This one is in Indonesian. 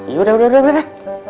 yaudah udah udah udah